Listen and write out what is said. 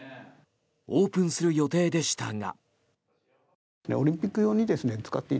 オープンする予定でしたが。